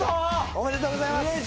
おめでとうございます。